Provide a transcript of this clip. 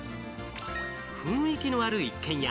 雰囲気のある一軒家。